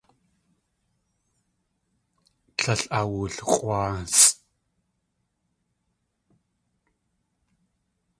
Tlél awulx̲ʼwáasʼ.